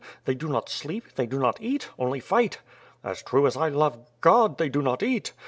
They do not sleep, they do not eat, only fight. As true as I love God, they do not eat.